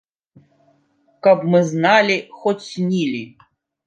Каб мы зналі, хоць снілі!